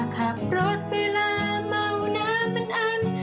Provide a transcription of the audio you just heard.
แค่ไหน